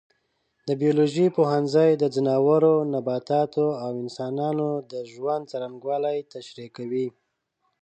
د بیولوژي پوهنځی د ځناورو، نباتاتو او انسانانو د ژوند څرنګوالی تشریح کوي.